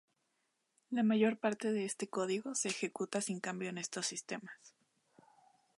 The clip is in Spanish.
La mayor parte de este código se ejecuta sin cambio en estos sistemas.